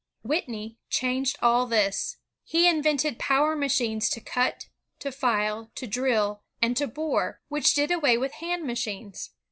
Whitney changed all this. He invented power machines to cut, to file, to drill, and to bore, which did away with hand machines.